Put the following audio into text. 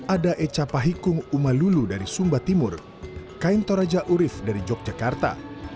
ada eca pahikung umalulu dari sumba timur kain toraja urif dari yogyakarta